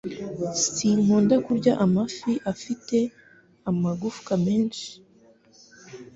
Sinkunda kurya amafi afite amagufwa menshi